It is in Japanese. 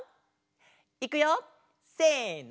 いくよせの！